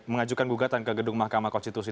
mengajukan gugatan ke gedung mahkamah konstitusi